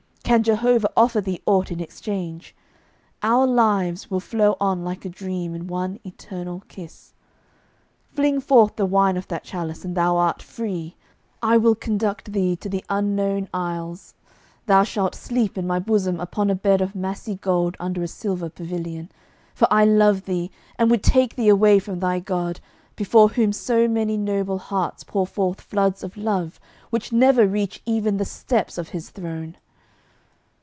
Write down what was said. Can Jehovah offer thee aught in exchange? Our lives will flow on like a dream, in one eternal kiss. 'Fling forth the wine of that chalice, and thou art free. I will conduct thee to the Unknown Isles. Thou shalt sleep in my bosom upon a bed of massy gold under a silver pavilion, for I love thee and would take thee away from thy God, before whom so many noble hearts pour forth floods of love which never reach even the steps of His throne!